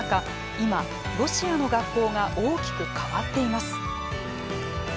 今ロシアの学校が大きく変わっています。